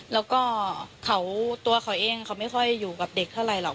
แล้วก็ตัวเขาเองเขาไม่ค่อยอยู่กับเด็กเท่าไรหรอก